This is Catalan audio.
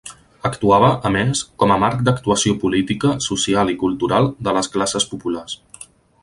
Actuava, a més, com a marc d'actuació política, social i cultural de les classes populars.